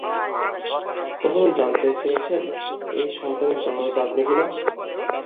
কখনো জানতে চেয়েছেন এই সন্তানের জন্মদাতা আপনি কিনা?